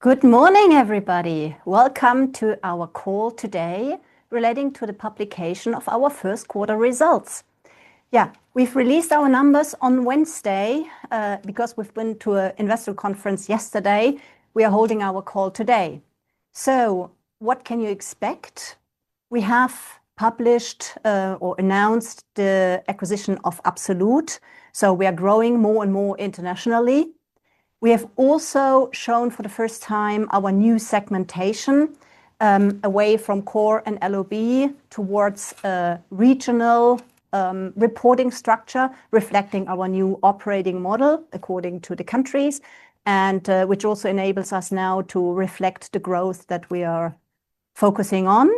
Good morning, everybody. Welcome to our call today relating to the publication of our first quarter results. We've released our numbers on Wednesday. We've been to an investor conference yesterday, we are holding our call today. What can you expect? We have published or announced the acquisition of apsolut. We are growing more and more internationally. We have also shown for the first time our new segmentation, away from core and LOB towards a regional reporting structure reflecting our new operating model according to the countries, and which also enables us now to reflect the growth that we are focusing on.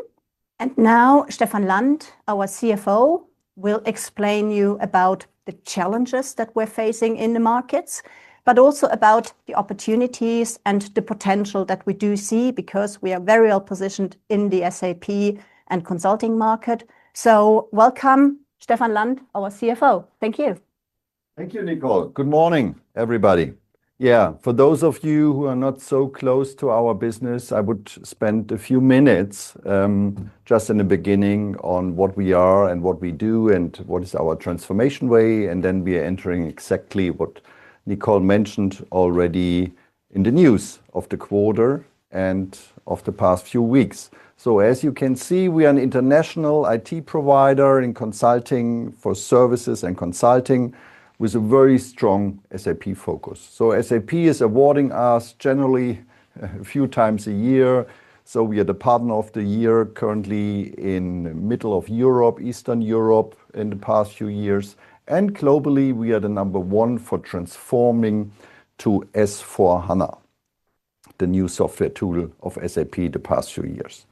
Stefan Land, our CFO, will explain you about the challenges that we're facing in the markets, but also about the opportunities and the potential that we do see because we are very well positioned in the SAP and consulting market. Welcome, Stefan Land, our CFO. Thank you. Thank you, Nicole. Good morning, everybody. For those of you who are not so close to our business, I would spend a few minutes just in the beginning on what we are and what we do and what is our transformation way. We are entering exactly what Nicole mentioned already in the news of the quarter and of the past few weeks. As you can see, we are an international IT provider in consulting for services and consulting with a very strong SAP focus. SAP is awarding us generally a few times a year. We are the partner of the year currently in middle of Europe, Eastern Europe in the past few years. Globally, we are the number one for transforming to S/4HANA, the new software tool of SAP the past few years.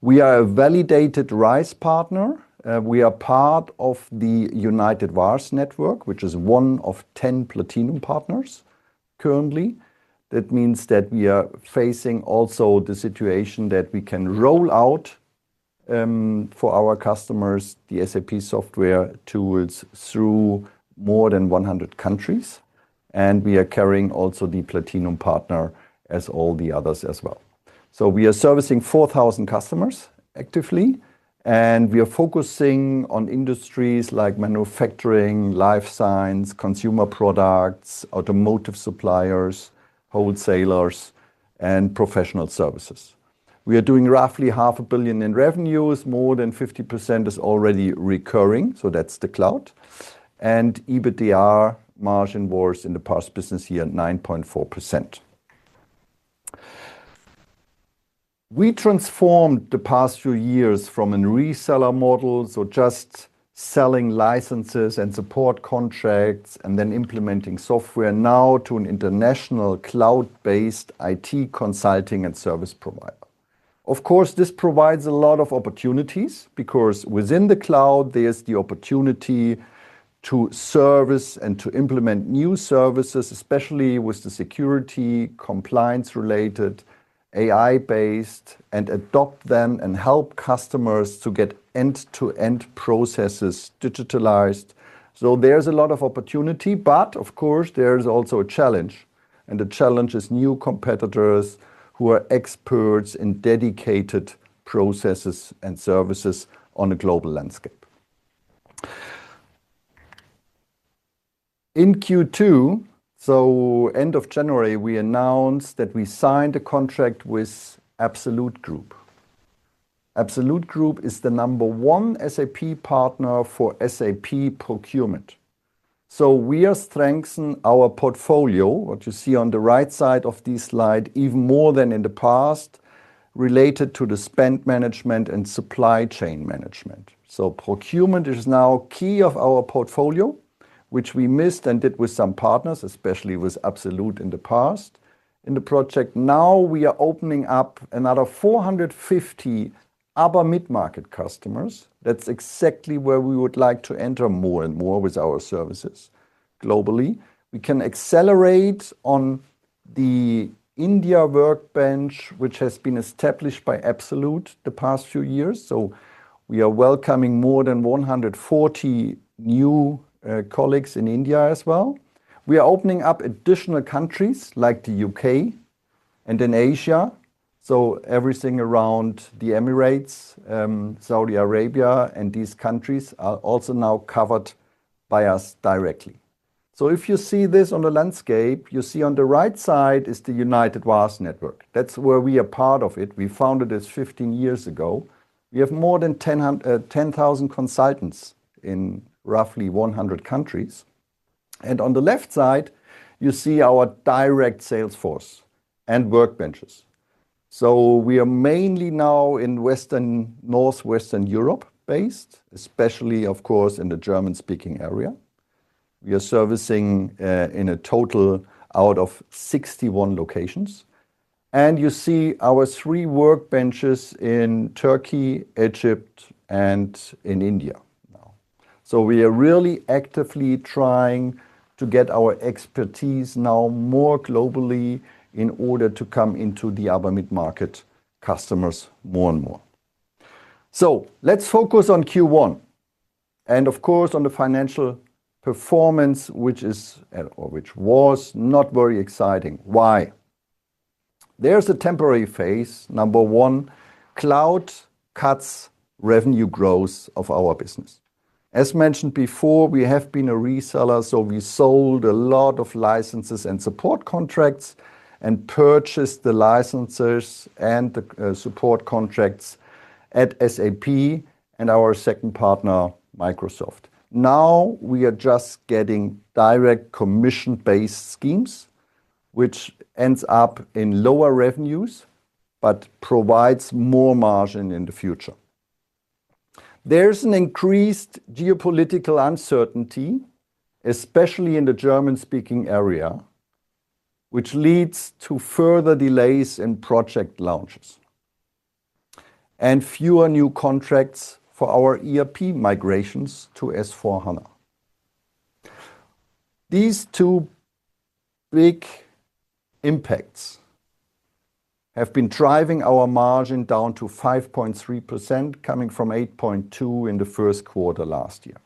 We are a validated RISE partner. We are part of the United VARs network, which is one of 10 platinum partners currently. That means that we are facing also the situation that we can roll out, for our customers, the SAP software tools through more than 100 countries. We are carrying also the platinum partner as all the others as well. We are servicing 4,000 customers actively, and we are focusing on industries like manufacturing, life science, consumer products, automotive suppliers, wholesalers, and professional services. We are doing roughly EUR half a billion in revenues. More than 50% is already recurring, so that's the cloud. EBITDA margin was, in the past business year, 9.4%. We transformed the past few years from an reseller model, so just selling licenses and support contracts and then implementing software, now to an international cloud-based IT consulting and service provider. Of course, this provides a lot of opportunities because within the cloud, there's the opportunity to service and to implement new services, especially with the security compliance related, AI-based, and adopt them and help customers to get end-to-end processes digitalized. There's a lot of opportunity, but of course, there's also a challenge. The challenge is new competitors who are experts in dedicated processes and services on a global landscape. In Q2, end of January, we announced that we signed a contract with apsolut Group. apsolut Group is the number one SAP partner for SAP procurement. We are strengthen our portfolio, what you see on the right side of this slide, even more than in the past, related to the spend management and supply chain management. Procurement is now key of our portfolio, which we missed and did with some partners, especially with apsolut in the past in the project. Now we are opening up another 450 upper mid-market customers. That's exactly where we would like to enter more and more with our services globally. We can accelerate on the India workbench, which has been established by apsolut the past few years. We are welcoming more than 140 new colleagues in India as well. We are opening up additional countries like the U.K. and in Asia. Everything around the Emirates, Saudi Arabia, and these countries are also now covered by us directly. If you see this on the landscape, you see on the right side is the United VARs network. That's where we are part of it. We founded this 15 years ago. We have more than 10,000 consultants in roughly 100 countries. On the left side, you see our direct sales force and workbenches. We are mainly now in Western, Northwestern Europe based, especially, of course, in the German-speaking area. We are servicing in a total out of 61 locations. You see our three workbenches in Turkey, Egypt, and in India now. We are really actively trying to get our expertise now more globally in order to come into the upper mid-market customers more and more. Let's focus on Q1 and of course, on the financial performance, which was not very exciting. Why? There's a temporary phase. Number one, cloud cuts revenue growth of our business. As mentioned before, we have been a reseller, we sold a lot of licenses and support contracts and purchased the licenses and the support contracts at SAP and our second partner, Microsoft. Now we are just getting direct commission-based schemes, which ends up in lower revenues, but provides more margin in the future. There's an increased geopolitical uncertainty, especially in the German-speaking area, which leads to further delays in project launches and fewer new contracts for our ERP migrations to S/4HANA. These two big impacts have been driving our margin down to 5.3%, coming from 8.2% in the first quarter last year.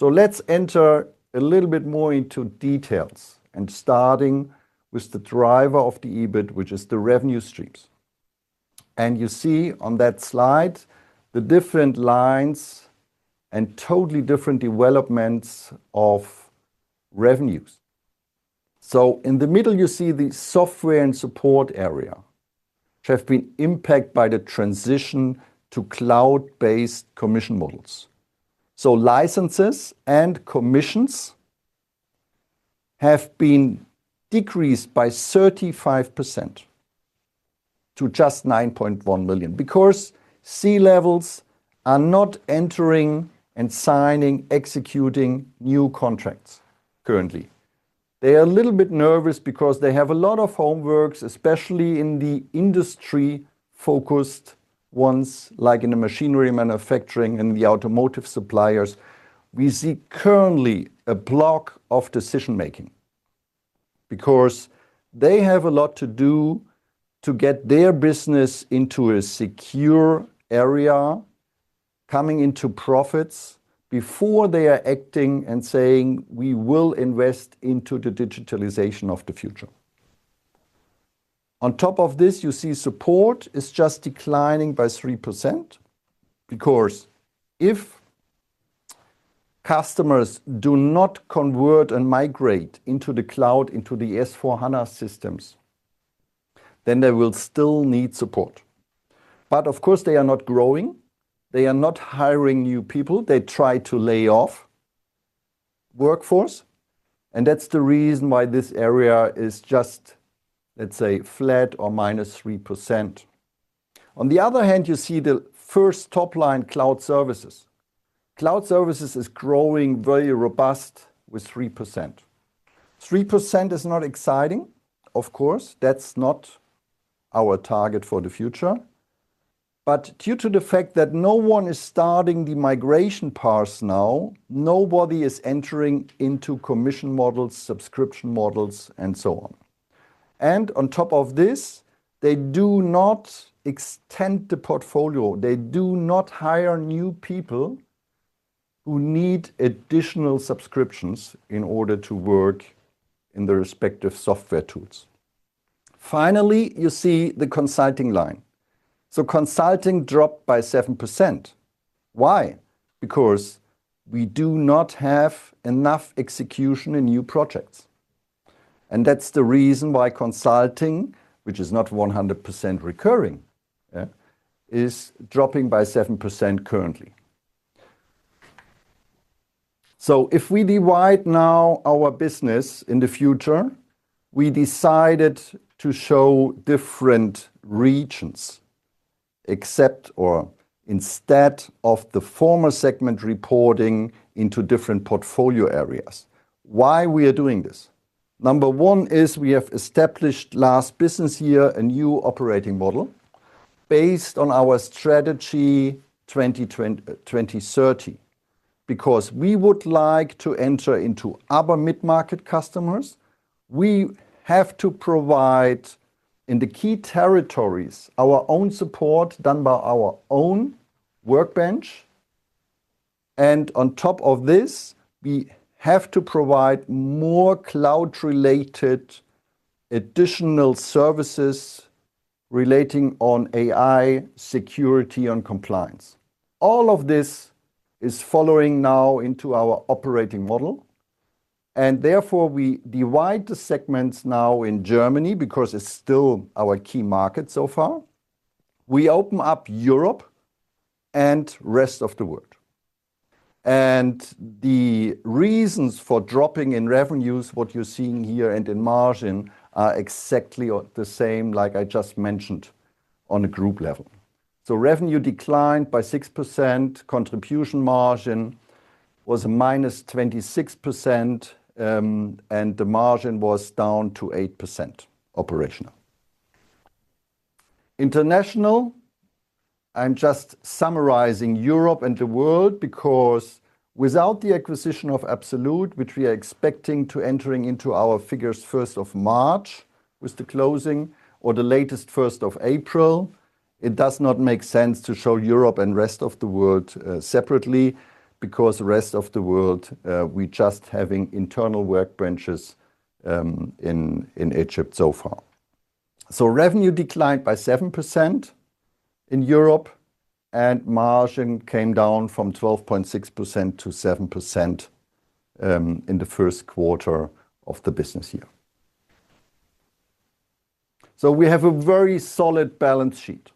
Let's enter a little bit more into details and starting with the driver of the EBIT, which is the revenue streams. You see on that slide the different lines and totally different developments of revenues. In the middle, you see the software and support area, which have been impacted by the transition to cloud-based commission models. Licenses and commissions have been decreased by 35% to just 9.1 million because C-levels are not entering and signing, executing new contracts currently. They are a little bit nervous because they have a lot of homework, especially in the industry-focused ones, like in the machinery manufacturing and the automotive suppliers. We see currently a block of decision-making because they have a lot to do to get their business into a secure area, coming into profits before they are acting and saying, "We will invest into the digitalization of the future." On top of this, you see support is just declining by 3% because if customers do not convert and migrate into the cloud, into the S/4HANA systems, then they will still need support. Of course they are not growing, they are not hiring new people. They try to lay off workforce, and that's the reason why this area is just, let's say, flat or minus 3%. On the other hand, you see the first top line, cloud services. Cloud services is growing very robust with 3%. 3% is not exciting, of course. That's not our target for the future. Due to the fact that no one is starting the migration parts now, nobody is entering into commission models, subscription models, and so on. On top of this, they do not extend the portfolio. They do not hire new people who need additional subscriptions in order to work in the respective software tools. Finally, you see the consulting line. Consulting dropped by 7%. Why? We do not have enough execution in new projects, and that's the reason why consulting, which is not 100% recurring, is dropping by 7% currently. If we divide now our business in the future, we decided to show different regions except or instead of the former segment reporting into different portfolio areas. Why we are doing this? Number one, we have established last business year a new operating model based on our strategy 2030. We would like to enter into other mid-market customers, we have to provide in the key territories our own support done by our own workbench. On top of this, we have to provide more cloud-related additional services relating on AI, security, and compliance. All of this is following now into our operating model and therefore we divide the segments now in Germany because it's still our key market so far. We open up Europe and rest of the world. The reasons for dropping in revenues, what you're seeing here and in margin, are exactly the same like I just mentioned on a group level. Revenue declined by 6%, contribution margin was -26%, and the margin was down to 8% operational. International, I'm just summarizing Europe and the world because without the acquisition of apsolut, which we are expecting to entering into our figures March 1st- With the closing or the latest April 1st, it does not make sense to show Europe and rest of the world separately because rest of the world, we just having internal workbenches in Egypt so far. Revenue declined by 7% in Europe and margin came down from 12.6% to 7% in the first quarter of the business year. We have a very solid balance sheet,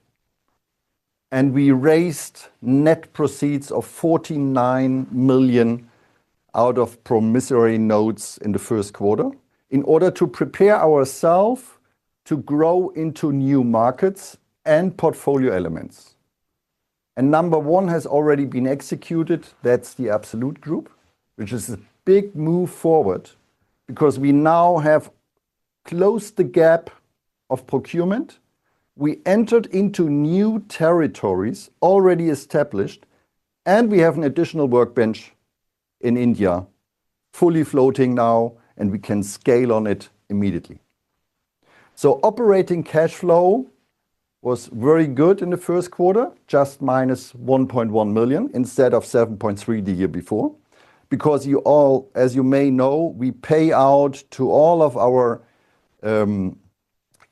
and we raised net proceeds of 49 million out of promissory notes in the first quarter in order to prepare ourself to grow into new markets and portfolio elements. Number one has already been executed, that's the apsolut Group, which is a big move forward because we now have closed the gap of procurement. We entered into new territories, already established, and we have an additional workbench in India, fully floating now, and we can scale on it immediately. Operating cash flow was very good in the first quarter, just minus 1.1 million instead of 7.3 million the year before. You all, as you may know, we pay out to all of our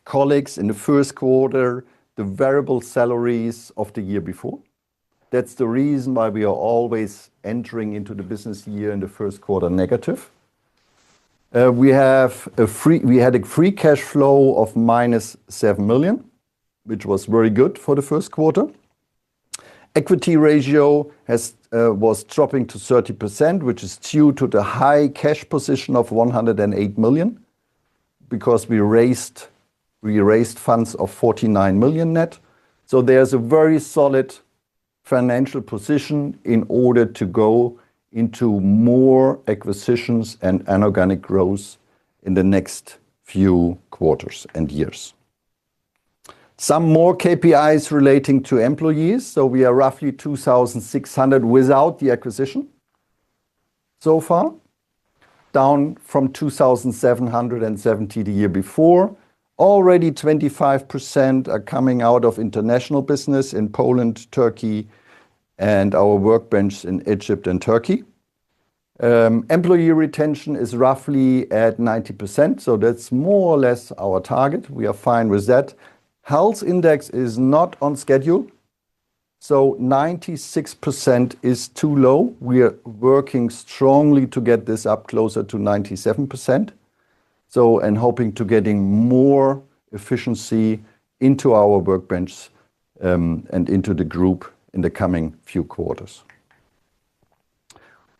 colleagues in the first quarter, the variable salaries of the year before. That's the reason why we are always entering into the business year in the first quarter negative. We had a free cash flow of minus 7 million, which was very good for the first quarter. Equity ratio was dropping to 30%, which is due to the high cash position of 108 million because we raised funds of 49 million net. There's a very solid financial position in order to go into more acquisitions and inorganic growth in the next few quarters and years. Some more KPIs relating to employees. We are roughly 2,600 without the acquisition so far, down from 2,770 the year before. Already 25% are coming out of international business in Poland, Turkey, and our workbench in Egypt and Turkey. Employee retention is roughly at 90%, so that's more or less our target. We are fine with that. Health index is not on schedule, so 96% is too low. We are working strongly to get this up closer to 97% and hoping to getting more efficiency into our workbenches, and into the group in the coming few quarters.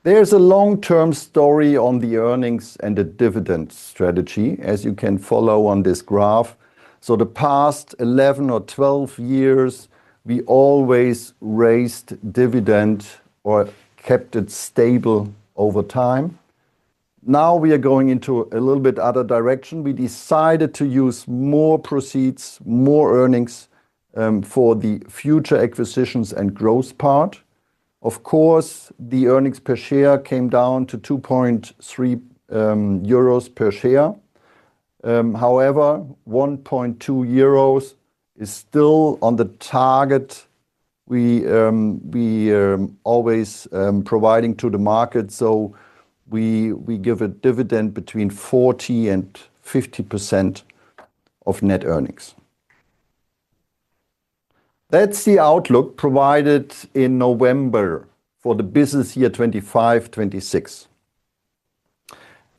There's a long-term story on the earnings and the dividend strategy, as you can follow on this graph. The past 11 or 12 years, we always raised dividend or kept it stable over time. Now we are going into a little bit other direction. We decided to use more proceeds, more earnings, for the future acquisitions and growth part. Of course, the earnings per share came down to 2.3 euros per share. However, 1.2 euros is still on the target. We always providing to the market, so we give a dividend between 40% and 50% of net earnings. That's the outlook provided in November for the business year 2025, 2026.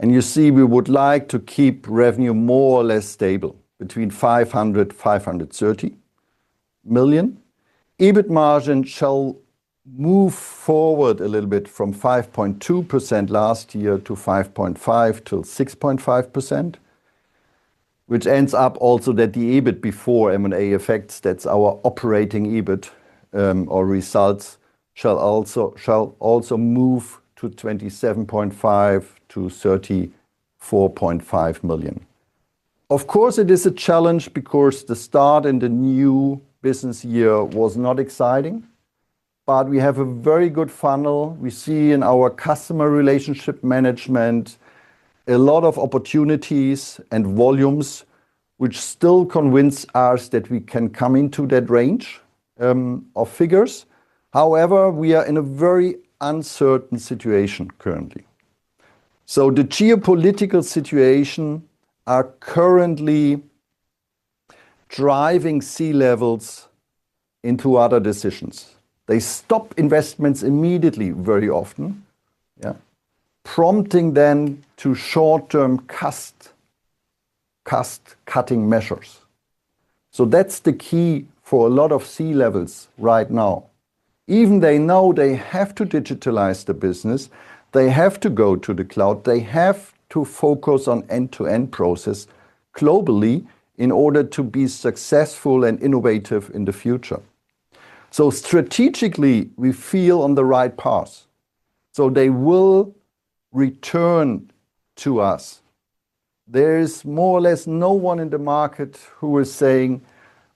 You see, we would like to keep revenue more or less stable, between 500 million-530 million. EBIT margin shall move forward a little bit from 5.2% last year to 5.5%-6.5%, which ends up also that the EBIT before M&A effects, that's our operating EBIT, our results shall also move to 27.5 million-34.5 million. Of course, it is a challenge because the start in the new business year was not exciting, but we have a very good funnel. We see in our customer relationship management a lot of opportunities and volumes, which still convince us that we can come into that range of figures. However, we are in a very uncertain situation currently. The geopolitical situation are currently driving C-levels into other decisions. They stop investments immediately very often, prompting them to short-term cost-cutting measures. That's the key for a lot of C-levels right now. Even they know they have to digitalize the business, they have to go to the cloud, they have to focus on end-to-end process globally in order to be successful and innovative in the future. Strategically, we feel on the right path. They will return to us. There is more or less no one in the market who is saying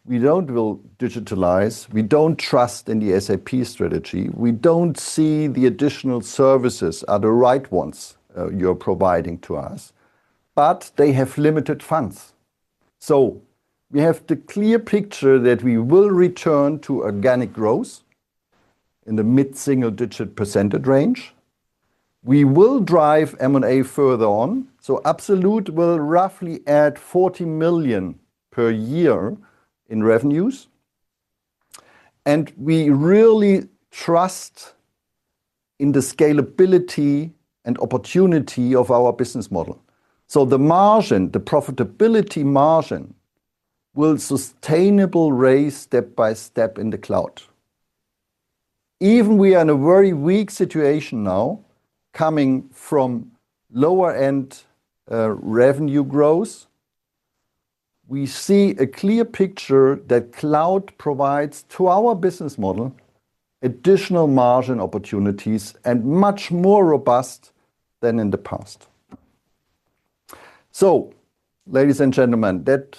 We don't will digitalize. We don't trust in the SAP strategy. We don't see the additional services are the right ones you're providing to us, but they have limited funds. We have the clear picture that we will return to organic growth in the mid-single digit percentage range. We will drive M&A further on. apsolut will roughly add 40 million per year in revenues. We really trust in the scalability and opportunity of our business model. The margin, the profitability margin, will sustainably raise step by step in the cloud. Even we are in a very weak situation now, coming from lower-end revenue growth. We see a clear picture that cloud provides to our business model additional margin opportunities and much more robust than in the past. Ladies and gentlemen, that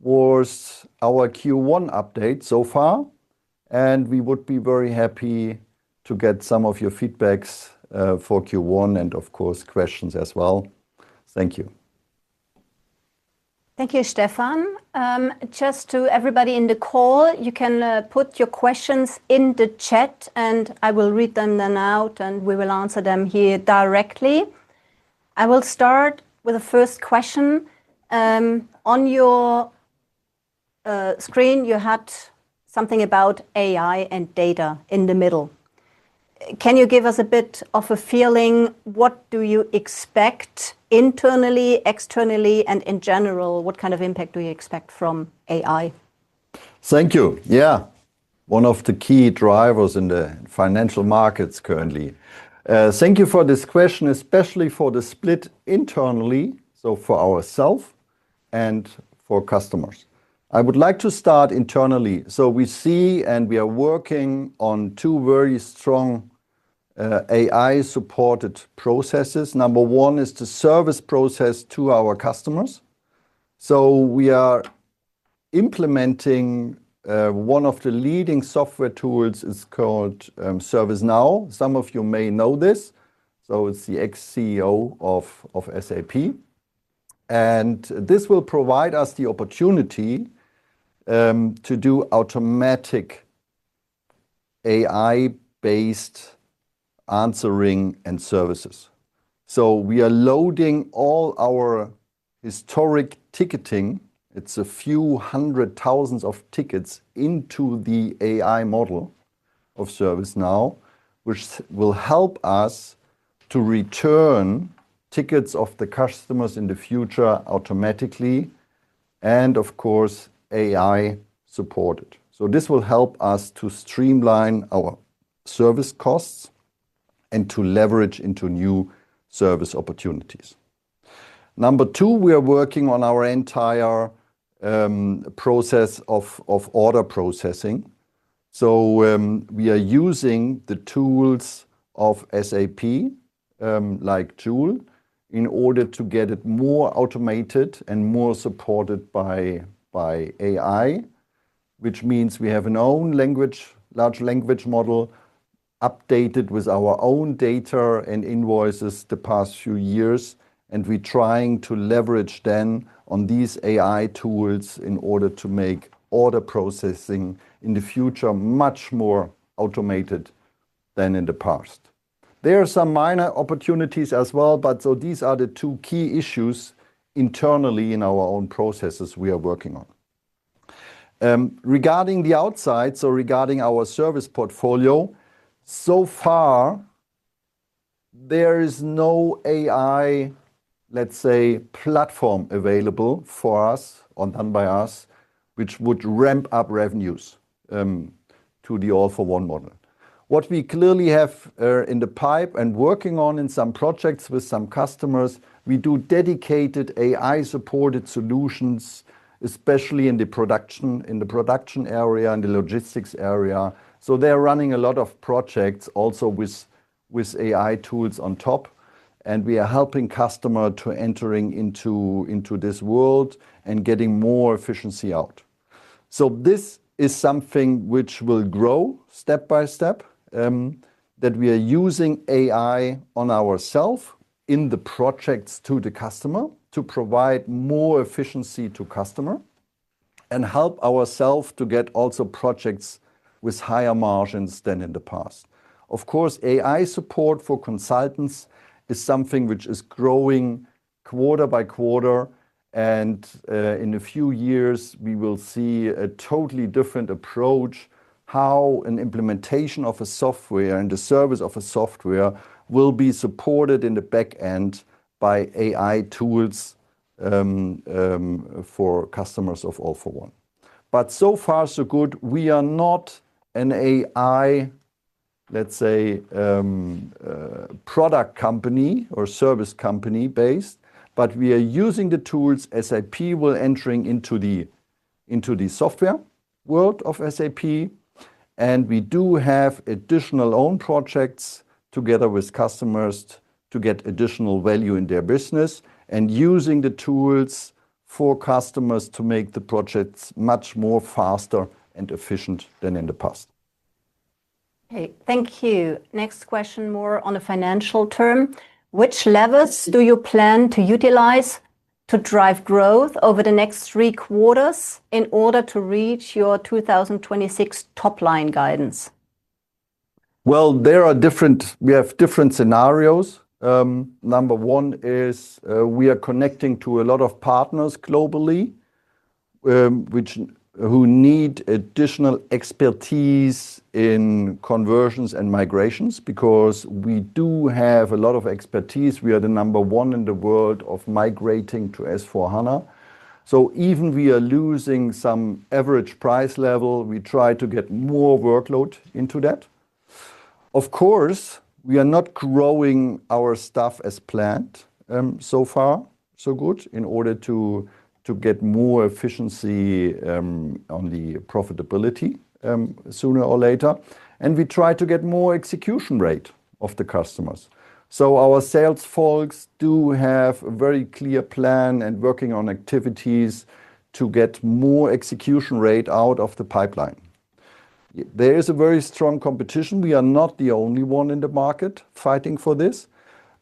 was our Q1 update so far, and we would be very happy to get some of your feedback for Q1 and of course, questions as well. Thank you. Thank you, Stefan. To everybody in the call, you can put your questions in the chat, and I will read them then out, and we will answer them here directly. I will start with the first question. On your screen, you had something about AI and data in the middle. Can you give us a bit of a feeling, what do you expect internally, externally, and in general, what kind of impact do you expect from AI? Thank you. Yeah. One of the key drivers in the financial markets currently. Thank you for this question, especially for the split internally, for ourselves and for customers. I would like to start internally. We see and we are working on two very strong AI-supported processes. Number one is the service process to our customers. We are implementing one of the leading software tools, it's called ServiceNow. Some of you may know this. It's the ex-CEO of SAP. This will provide us the opportunity to do automatic AI-based answering and services. We are loading all our historic ticketing, it's a few hundred thousands of tickets, into the AI model of ServiceNow, which will help us to return tickets of the customers in the future automatically, and of course, AI supported. This will help us to streamline our service costs and to leverage into new service opportunities. Number two, we are working on our entire process of order processing. We are using the tools of SAP, like Joule, in order to get it more automated and more supported by AI, which means we have an own large language model updated with our own data and invoices the past few years, and we're trying to leverage then on these AI tools in order to make order processing in the future much more automated than in the past. There are some minor opportunities as well, these are the two key issues internally in our own processes we are working on. Regarding the outside, regarding our service portfolio, so far, there is no AI, let's say, platform available for us or done by us which would ramp up revenues to the All for One model. What we clearly have in the pipe and working on in some projects with some customers, we do dedicated AI-supported solutions, especially in the production area and the logistics area. They're running a lot of projects also with AI tools on top, we are helping customer to entering into this world and getting more efficiency out. This is something which will grow step by step, that we are using AI on ourself in the projects to the customer to provide more efficiency to customer and help ourself to get also projects with higher margins than in the past. Of course, AI support for consultants is something which is growing quarter by quarter, and in a few years, we will see a totally different approach, how an implementation of a software and the service of a software will be supported in the back end by AI tools for customers of All for One. So far so good. We are not an AI, let's say, product company or service company based, but we are using the tools SAP will entering into the software world of SAP. We do have additional own projects together with customers to get additional value in their business and using the tools for customers to make the projects much more faster and efficient than in the past. Okay, thank you. Next question more on a financial term. Which levers do you plan to utilize to drive growth over the next three quarters in order to reach your 2026 top line guidance? Well, we have different scenarios. Number 1 is we are connecting to a lot of partners globally who need additional expertise in conversions and migrations, because we do have a lot of expertise. We are the number one in the world of migrating to S/4HANA. Even we are losing some average price level, we try to get more workload into that. Of course, we are not growing our staff as planned, so far so good, in order to get more efficiency on the profitability sooner or later. We try to get more execution rate of the customers. Our sales folks do have a very clear plan and working on activities to get more execution rate out of the pipeline. There is a very strong competition. We are not the only one in the market fighting for this,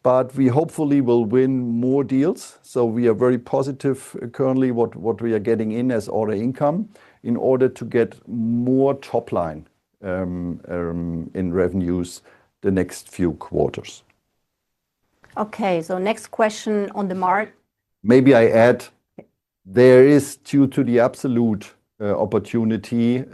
but we hopefully will win more deals. We are very positive currently what we are getting in as order income in order to get more top line in revenues the next few quarters. Okay, next question on the mark. Maybe I add, there is, due to the apsolut opportunity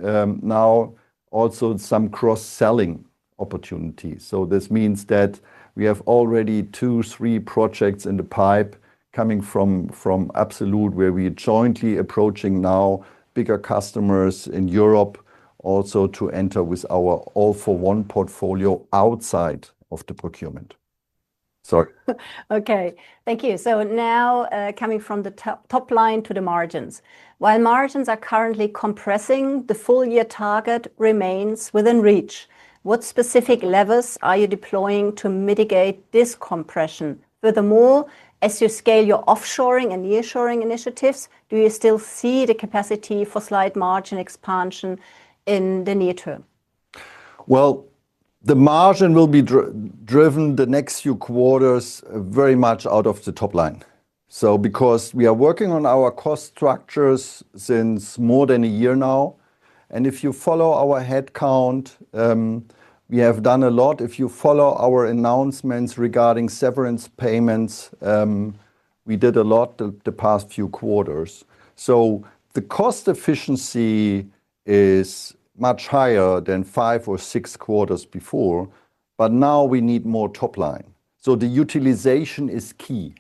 now, also some cross-selling opportunities. This means that we have already two, three projects in the pipe coming from apsolut, where we are jointly approaching now bigger customers in Europe also to enter with our All for One portfolio outside of the procurement. Sorry. Okay. Thank you. Now, coming from the top line to the margins. While margins are currently compressing, the full year target remains within reach. What specific levers are you deploying to mitigate this compression? Furthermore, as you scale your offshoring and nearshoring initiatives, do you still see the capacity for slight margin expansion in the near term? The margin will be driven the next few quarters very much out of the top line. Because we are working on our cost structures since more than a year now, and if you follow our headcount, we have done a lot. If you follow our announcements regarding severance payments, we did a lot the past few quarters. The cost efficiency is much higher than five or six quarters before, but now we need more top line. The utilization is key.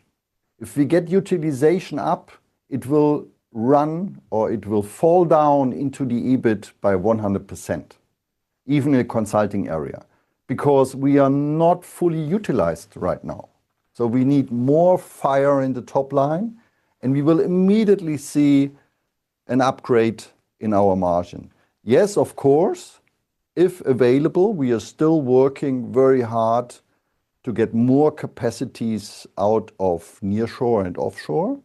If we get utilization up, it will run or it will fall down into the EBIT by 100%, even in a consulting area, because we are not fully utilized right now. We need more fire in the top line, and we will immediately see an upgrade in our margin. Yes, of course, if available, we are still working very hard to get more capacities out of nearshore and offshore,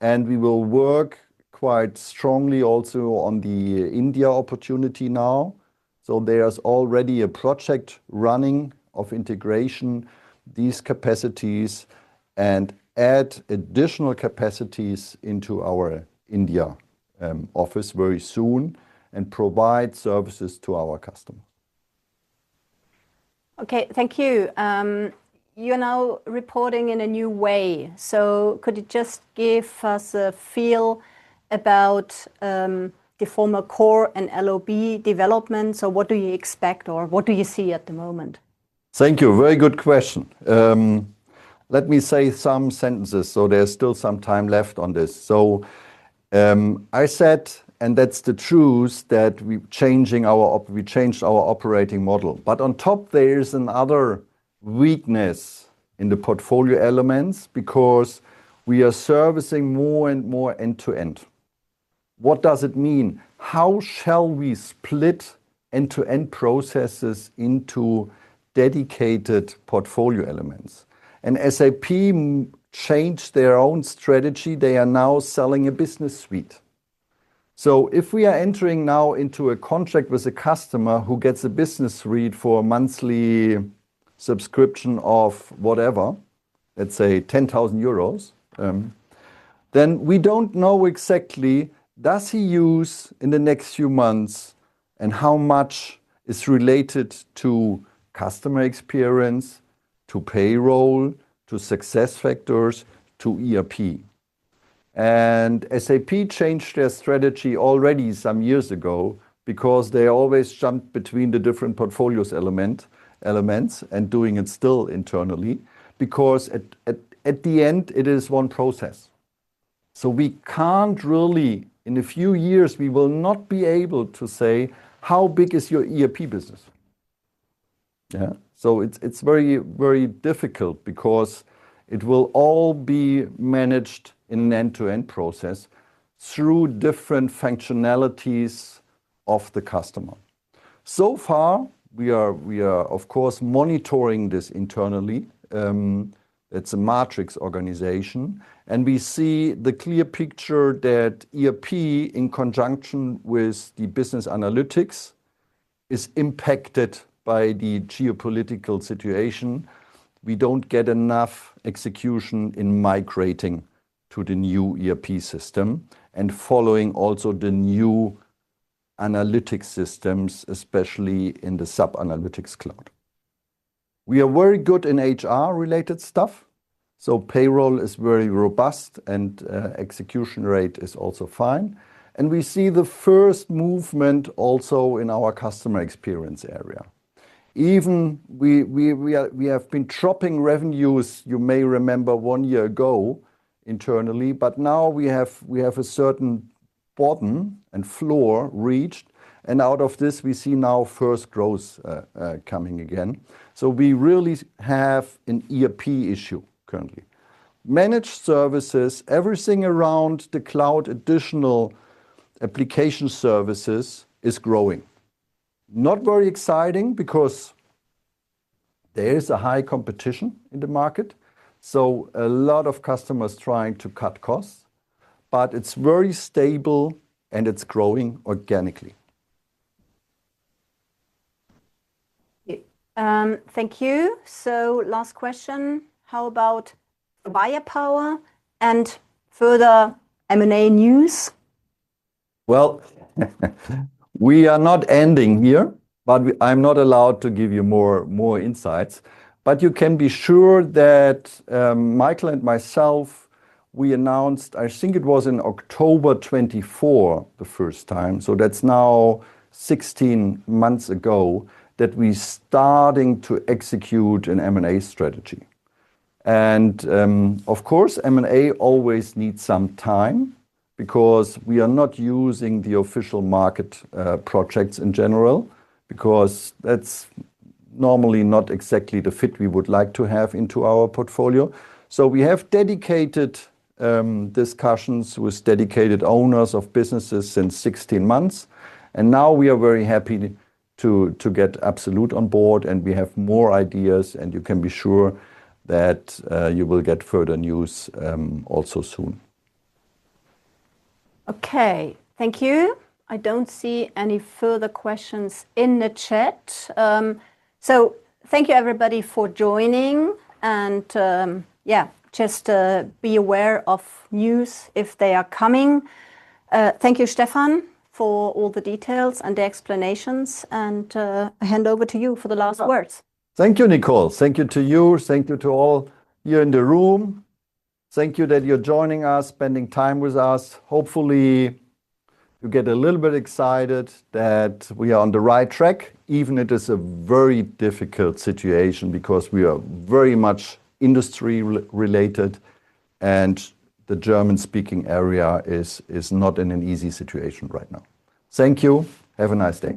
and we will work quite strongly also on the India opportunity now. There's already a project running of integration these capacities and add additional capacities into our India office very soon and provide services to our customers. Okay, thank you. You're now reporting in a new way. Could you just give us a feel about the former core and LOB developments? What do you expect or what do you see at the moment? Thank you. Very good question. Let me say some sentences. There's still some time left on this. I said, and that's the truth, that we changed our operating model. On top, there is another weakness in the portfolio elements because we are servicing more and more end-to-end. What does it mean? How shall we split end-to-end processes into dedicated portfolio elements? SAP changed their own strategy. They are now selling a business suite. If we are entering now into a contract with a customer who gets a business read for a monthly subscription of whatever, let's say, 10,000 euros, then we don't know exactly does he use in the next few months and how much is related to customer experience, to payroll, to SuccessFactors, to ERP. SAP changed their strategy already some years ago because they always jumped between the different portfolios elements and doing it still internally, because at the end, it is one process. We can't really, in a few years, we will not be able to say how big is your ERP business. Yeah. It's very difficult because it will all be managed in an end-to-end process through different functionalities of the customer. So far, we are of course monitoring this internally. It's a matrix organization, and we see the clear picture that ERP in conjunction with the business analytics is impacted by the geopolitical situation. We don't get enough execution in migrating to the new ERP system and following also the new analytics systems, especially in the SAP Analytics Cloud. We are very good in HR related stuff, payroll is very robust and execution rate is also fine. We see the first movement also in our customer experience area. Even we have been dropping revenues, you may remember, one year ago internally, but now we have a certain bottom and floor reached, and out of this we see now first growth coming again. We really have an ERP issue currently. Managed services, everything around the cloud, additional application services is growing. Not very exciting because there is a high competition in the market, so a lot of customers trying to cut costs, but it's very stable and it's growing organically. Thank you. Last question, how about Viya Power and further M&A news? We are not ending here. I'm not allowed to give you more insights. You can be sure that Michael and myself, we announced, I think it was in October 2024 the first time, so that's now 16 months ago that we starting to execute an M&A strategy. Of course, M&A always needs some time because we are not using the official market projects in general because that's normally not exactly the fit we would like to have into our portfolio. We have dedicated discussions with dedicated owners of businesses since 16 months, and now we are very happy to get apsolut on board and we have more ideas and you can be sure that you will get further news also soon. Okay. Thank you. I don't see any further questions in the chat. Thank you everybody for joining and, yeah, just be aware of news if they are coming. Thank you, Stefan, for all the details and the explanations and I hand over to you for the last words. Thank you, Nicole. Thank you to you, thank you to all here in the room. Thank you that you're joining us, spending time with us. Hopefully you get a little bit excited that we are on the right track, even it is a very difficult situation because we are very much industry-related and the German-speaking area is not in an easy situation right now. Thank you. Have a nice day.